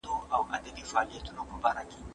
هغه اوږده پاڼه ډنډ ته ونه وړه.